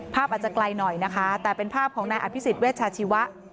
อาจจะไกลหน่อยนะคะแต่เป็นภาพของนายอภิษฎเวชาชีวะ